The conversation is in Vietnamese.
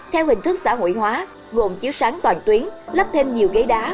theo hình thức xã hội hóa gồm chiếu sáng toàn tuyến lắp thêm nhiều ghế đá